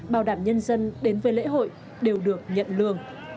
bảo đảm nhân dân đến với lễ hội đều được nhận lương